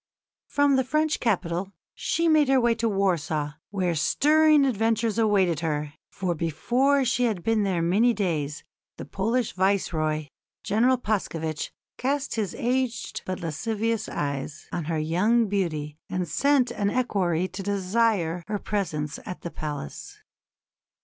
From the French capital she made her way to Warsaw, where stirring adventures awaited her, for before she had been there many days the Polish Viceroy, General Paskevitch, cast his aged but lascivious eyes on her young beauty and sent an equerry to desire her presence at the palace.